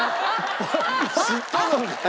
知っとんのかい！